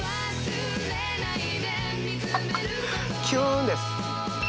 ハハキュンです！